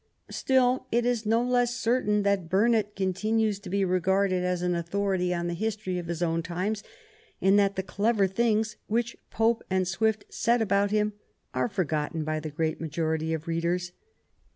Still it is no less certain that Burnet continues to be regarded as an authority on the history of his own times, and that the clever things which Pope and Swift said about him are forgotten by the great majority of readers.